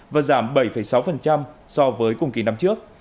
và giảm bảy sáu so với cùng kỳ năm trước